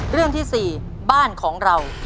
เรื่องที่๔บ้านของเรา